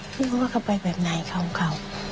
ไม่รู้ว่าเขาไปแบบไหนเขา